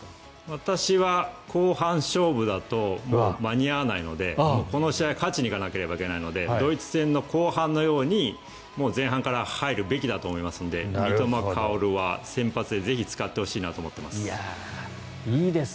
私は後半勝負だと間に合わないのでこの試合、勝ちにいかなければいけないのでドイツ戦の後半のように前半から入るべきだと思いますので三笘薫は先発でぜひ使ってほしいと思っています。